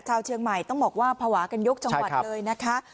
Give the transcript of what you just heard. ชาวเชียงใหม่ต้องบอกว่าภาวะกันยกจังหวัดเลยนะคะ